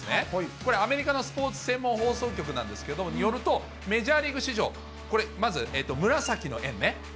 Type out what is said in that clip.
これ、アメリカのスポーツ専門放送局なんですけれども、それによると、メジャーリーグ史上、これまず、紫の円ね。